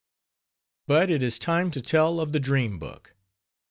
But it is time to tell of the Dream Book.